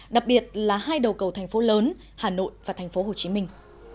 đặc biệt là hai đầu cầu thành phố lớn hà nội và thành phố hồ chí minh